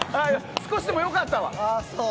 少しでも良かったわ。